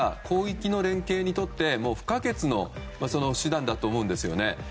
広域の連携にとって不可欠の手段だと思うんですよね。